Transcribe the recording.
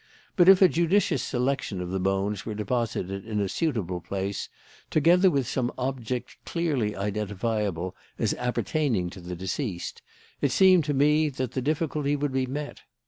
But if a judicious selection of the bones were deposited in a suitable place, together with some object clearly identifiable as appertaining to the deceased, it seemed to me that the difficulty would be met.